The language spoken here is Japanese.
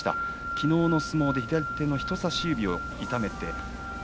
昨日の相撲で左手の人さし指を痛めました。